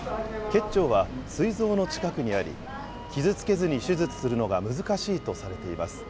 結腸はすい臓の近くにあり、傷つけずに手術するのが難しいとされています。